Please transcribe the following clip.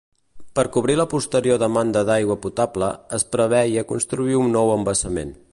Per cobrir la posterior demanda d’aigua potable, es preveia construir un nou embassament.